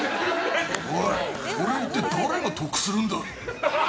おい、それを言って一体誰が得するんだ！